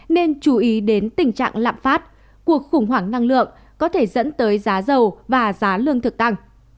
nên chú ý đến tình trạng lạm phát cuộc khủng hoảng năng lượng có thể dẫn tới giá dầu và giá lương thực tăng